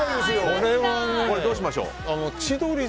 これ、どうしましょう？